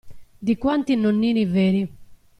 Di quanti nonnini veri.